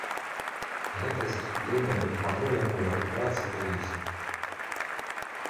Гэтае захапленне дапамагло яму ў яго працы ў далейшым.